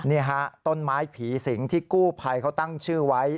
นี่ฮะต้นไม้ผีสิงที่กู้ภัยเขาตั้งชื่อไว้